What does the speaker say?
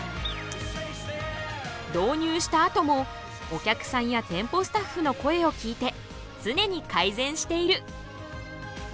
導入したあともお客さんや店舗スタッフの声を聞いて常に改善している。